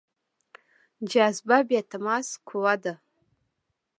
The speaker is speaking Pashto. جاذبه بې تماس قوه ده.